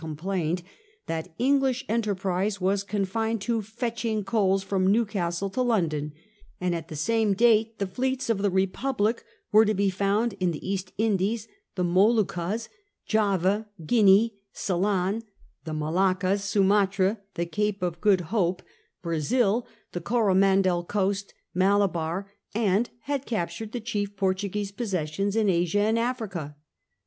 complained that English enterprise was confined to fetching coals from Newcastle to London; and at the same date the fleets of the Republic were to be found in the East Indies, the Moluccas, Java, Guinea, Ceylon, the Malaccas, Sumatra, the Cape of Good Hope, Brazil, the Coromandel Coast, Malabar, and had captured the chief Portuguese possessions in Asia and Africa.